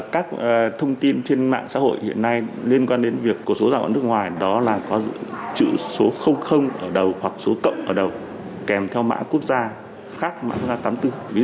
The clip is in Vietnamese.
các thông tin trên mạng xã hội hiện nay liên quan đến việc cuộc số gọi nước ngoài đó là có chữ số ở đầu hoặc số cộng ở đầu kèm theo mã quốc gia khác mã quốc gia tám mươi bốn